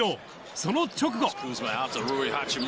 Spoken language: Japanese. その直後。